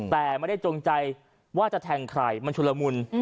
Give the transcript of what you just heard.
แต่ไม่ได้จงใจว่าจะแทงใครมันชุลมุน